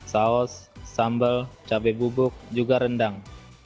saus sambal cabai bubuk juga rendang